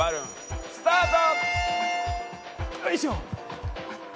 ふわバルーンスタート！